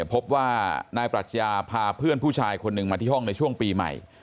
พบว่านายปรัชญาพาเพื่อนผู้ชายคนหนึ่งมาที่ห้องในช่วงปีใหม่